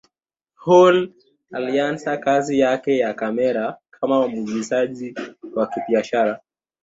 Hall alianza kazi yake ya kamera kama mwigizaji wa kibiashara.